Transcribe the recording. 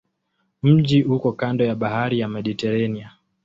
Mji uko kando ya bahari ya Mediteranea.